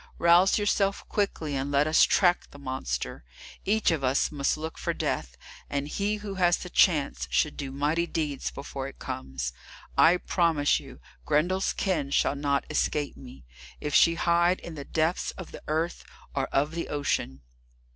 Rouse yourself quickly, and let us track the monster. Each of us must look for death, and he who has the chance should do mighty deeds before it comes. I promise you Grendel's kin shall not escape me, if she hide in the depths of the earth or of the ocean."